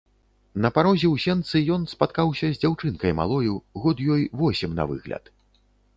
На парозе ў сенцы ён спаткаўся з дзяўчынкай малою, год ёй восем на выгляд.